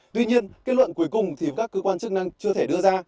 tuy nhiên kết luận cuối cùng thì các cơ quan chức năng chưa thể đưa ra